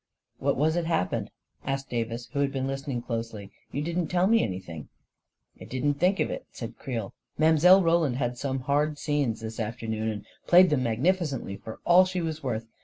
" What was it happened? " asked Davis, who had been listening closely. " You didn't tell me any thing ..." "I didn't think of it," saitf Creel. " Mile. Roland had some hard scenes, this afternoon, and played them magnificently, for all she was worth.